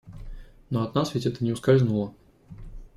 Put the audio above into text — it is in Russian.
Но от нас ведь это не ускользнуло.